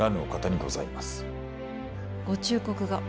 ご忠告が。